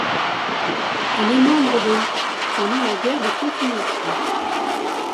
Elle est membre de l' pendant la guerre de Continuation.